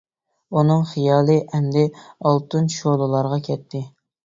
ئۇنىڭ خىيالى ئەمدى ئالتۇن شولىلارغا كەتتى.